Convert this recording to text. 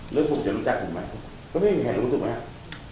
หรือผมจะรู้จักคุณไหมก็ไม่มีแค่รู้ถูกไหมครับ